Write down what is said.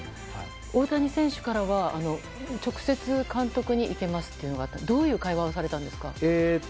大谷選手からは直接監督に行けますっていうのはどういう会話をされたんですか？